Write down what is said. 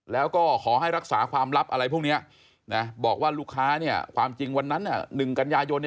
แล้วก็ขอให้รักษาความลับอะไรพวกนี้บอกว่าลูกค้าความจริงวันนั้น๑กันยายน